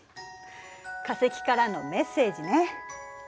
化石からのメッセージね。